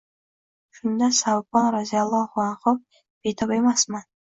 Shunda Savbon roziyallohu anhu: «Betob emasman